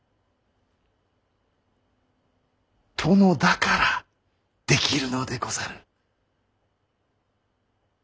殿だからできるのでござる。